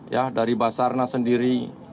ya dari basarna sendiri